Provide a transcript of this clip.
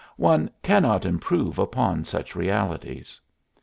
One cannot improve upon such realities.